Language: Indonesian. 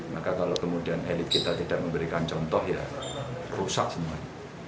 maka kalau kemudian elit kita tidak memberikan contoh ya rusak semuanya